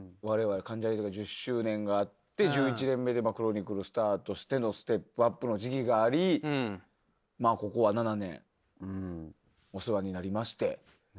われわれ関ジャニ∞１０周年があって１１年目で『クロニクル』スタートしてのステップアップの時期がありここは７年お世話になりまして。